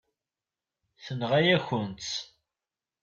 Tenɣa-yakent-tt.